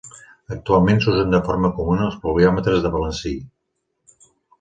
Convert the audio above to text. Actualment s'usen de forma comuna els pluviòmetres de balancí.